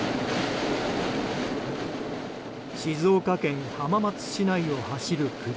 静岡県浜松市内を走る車。